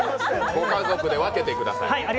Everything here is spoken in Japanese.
ご家族で分けてください。